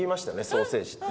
ソーセージって。